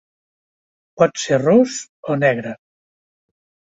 Pot ser ros o negre.